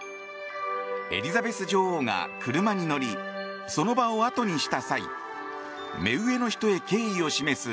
エリザベス女王が車に乗りその場をあとにした際目上の人へ敬意を示す